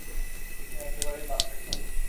তুমি একেবারে পারফেক্ট হবে।